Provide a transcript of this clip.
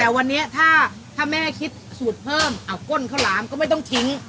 แต่วันนี้ถ้าแม่คิดสูตรเพิ่มเอาก้นข้าวหลามก็ไม่ต้องทิ้ง